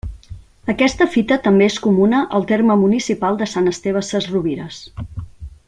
Aquesta fita també és comuna al terme municipal de Sant Esteve Sesrovires.